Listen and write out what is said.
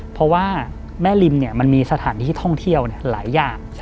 เพราะว่าแม่ริมมันมีสถานที่ท่องเที่ยวหลายอย่าง